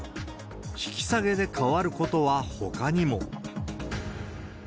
引き下げで変わることはほかにも。